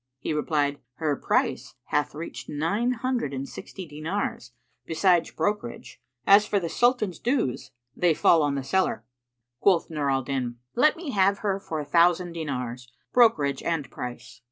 He replied, "Her price hath reached nine hundred and sixty dinars,[FN#471] besides brokerage, as for the Sultan's dues, they fall on the seller." Quoth Nur al Din, "Let me have her for a thousand dinars, brokerage and price."